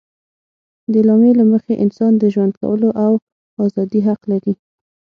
د اعلامیې له مخې انسان د ژوند کولو او ازادي حق لري.